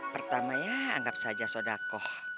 pertama ya anggap saja sodakoh